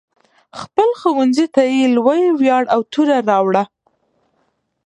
خپل ښوونځي ته یې لوی ویاړ او توره راوړه.